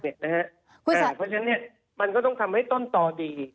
เพราะฉะนั้นมันก็ต้องทำให้ต้นต่อดี